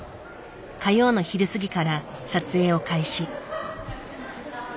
火曜の昼過ぎから撮影を開始。